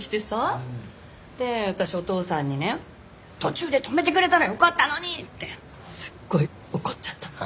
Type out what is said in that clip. で私お父さんにね「途中で止めてくれたらよかったのに！」ってすっごい怒っちゃったの。